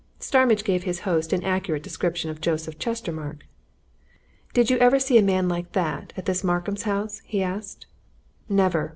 Starmidge gave his host an accurate description of Joseph Chestermarke. "Did you ever see a man like that at this Markham's house?" he asked. "Never!"